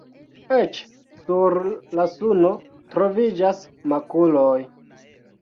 Eĉ sur la suno troviĝas makuloj.